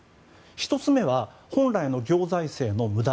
１つ目は本来の行財政の無駄